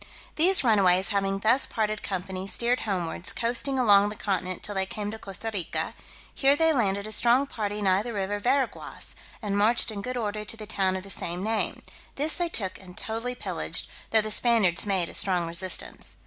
These runaways having thus parted company, steered homewards, coasting along the continent till they came to Costa Rica; here they landed a strong party nigh the river Veraguas, and marched in good order to the town of the same name: this they took and totally pillaged, though the Spaniards made a strong resistance.